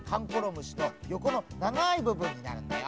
むしのよこのながいぶぶんになるんだよ。